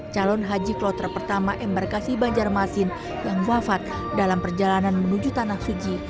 calon haji kloter pertama embarkasi banjarmasin yang wafat dalam perjalanan menuju tanah suci